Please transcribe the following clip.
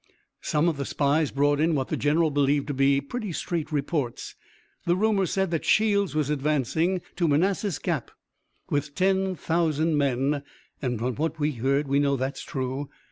"Some of the spies brought in what the general believed to be pretty straight reports. The rumors said that Shields was advancing to Manassas Gap with ten thousand men, and from what we heard we know that is true.